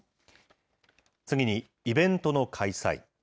次にイベントの開催。